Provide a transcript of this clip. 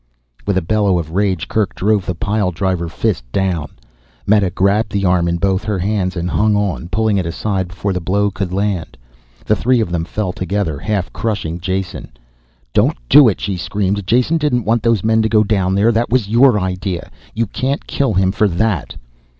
With a bellow of rage Kerk drove the pile driver fist down. Meta grabbed the arm in both her hands and hung on, pulling it aside before the blow could land. The three of them fell together, half crushing Jason. "Don't do it," she screamed. "Jason didn't want those men to go down there. That was your idea. You can't kill him for that!"